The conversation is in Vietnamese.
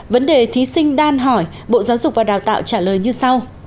vấn đề thí sinh đan hỏi bộ giáo dục và đào tạo trả lời như sau